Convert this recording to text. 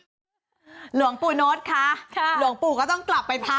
หลวงปู่โน๊ตค่ะหลวงปู่ก็ต้องกลับไปพัก